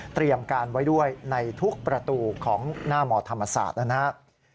เตรียมการไว้ด้วยในทุกประตูของหน้ามธรรมศาสตร์นะครับ